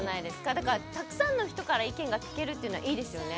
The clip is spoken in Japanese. だからたくさんの人から意見が聞けるっていうのはいいですよね。